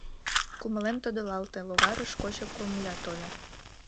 Кумылем тодылалте, логарыш кочо комыля тольо.